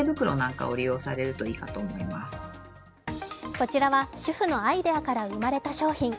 こちらは主婦のアイデアから生まれた商品。